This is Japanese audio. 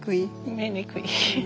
見にくい。